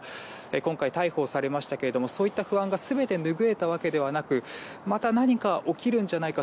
今回、逮捕されましたけどもそういった不安が全てぬぐえたわけではなくまた何か起きるんじゃないか。